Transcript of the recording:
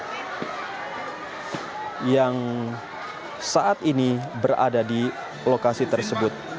kita lihat bagaimana kondisi para korban yang saat ini berada di lokasi tersebut